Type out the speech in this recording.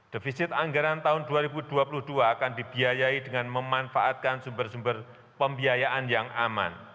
defisit anggaran tahun dua ribu dua puluh dua akan dibiayai dengan memanfaatkan sumber sumber pembiayaan yang aman